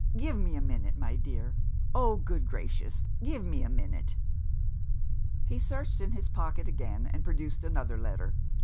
"Give me a minute, my dear oh, good gracious, give me a minute!" He searched in his pocket again, and produced another letter.